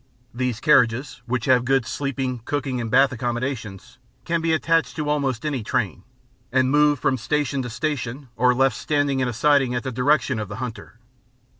These carriages, which have good sleeping, cooking, and bath accommodation, can be attached to almost any train, and moved from station to station or left standing in a siding at the directions of the hunter.